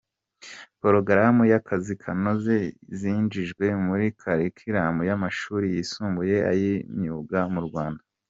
Porogaramu y’Akazi kanoze zinjijwe muri curriculum y’amashuri yisumbuye ay’imyuga mu Rwanda.